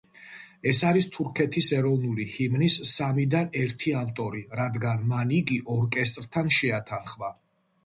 ის არის თურქეთის ეროვნული ჰიმნის სამიდან ერთი ავტორი, რადგან მან იგი ორკესტრთან შეათანხმა.